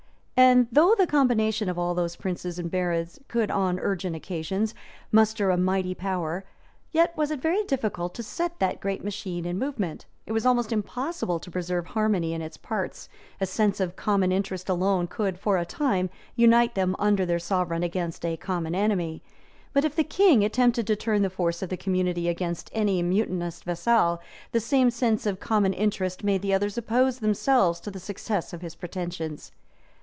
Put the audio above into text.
And though the combination of all those princes and barons could on urgent occasions, muster a mighty power, yet was it very difficult to set that great machine in movement; it was almost impossible to preserve harmony in its parts; a sense of common interest alone could, for a time, unite them under their sovereign against a common enemy; but if the king attempted to turn the force of the community against any mutinous vassal, the same sense of common interest made the others oppose themselves to the success of his pretensions.